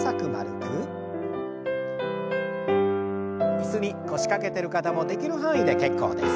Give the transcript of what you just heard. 椅子に腰掛けてる方もできる範囲で結構です。